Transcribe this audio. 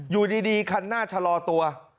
อยู่ดีคันหน้าชะลอตัว